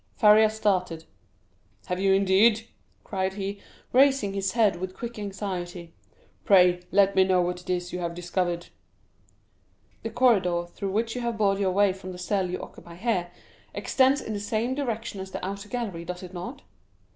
Faria started: "Have you, indeed?" cried he, raising his head with quick anxiety; "pray, let me know what it is you have discovered?" "The corridor through which you have bored your way from the cell you occupy here, extends in the same direction as the outer gallery, does it not?"